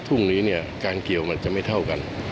ทุ่งนี้การเกี่ยวมันจะไม่เท่ากัน